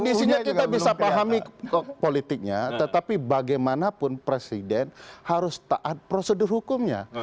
visinya kita bisa pahami politiknya tetapi bagaimanapun presiden harus taat prosedur hukumnya